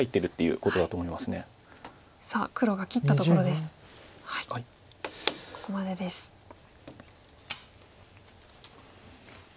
ここまでです。